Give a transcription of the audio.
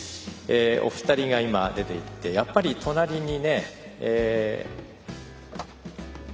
お二人が今、出ていってやっぱり隣に。